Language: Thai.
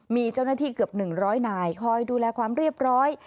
มีเจ้าหน้าที่เกือบ๑๐๐นายคอยดูแลความเรียบร้อย